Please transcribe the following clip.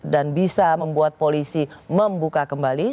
dan bisa membuat polisi membuka kembali